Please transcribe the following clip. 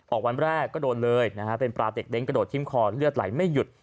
วันแรกก็โดนเลยนะฮะเป็นปลาเด็กเน้นกระโดดทิ้มคอเลือดไหลไม่หยุด